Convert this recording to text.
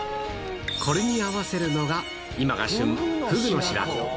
これに合わせるのが、今が旬、フグの白子。